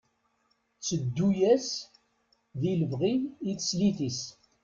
Tteddu-yas di lebɣi i teslit-is.